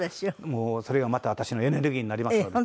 もうそれがまた私のエネルギーになりますので。